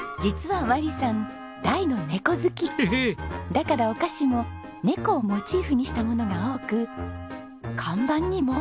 だからお菓子も猫をモチーフにしたものが多く看板にも。